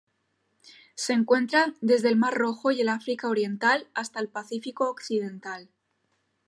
Se encuentra desde el Mar Rojo y el África Oriental hasta el Pacífico occidental.